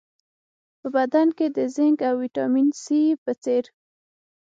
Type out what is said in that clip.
په بدن کې د زېنک او ویټامین سي په څېر